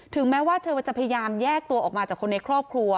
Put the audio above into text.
แม้ว่าเธอจะพยายามแยกตัวออกมาจากคนในครอบครัว